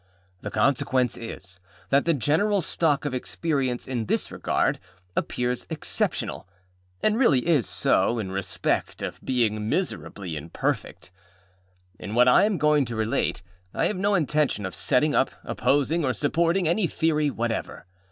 The consequence is, that the general stock of experience in this regard appears exceptional, and really is so, in respect of being miserably imperfect. In what I am going to relate, I have no intention of setting up, opposing, or supporting, any theory whatever.